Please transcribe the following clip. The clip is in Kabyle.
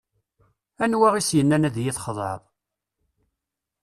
Anwa is-yennan ad iyi-txedɛeḍ?